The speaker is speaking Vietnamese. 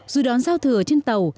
dù đón giao thừa trên tàu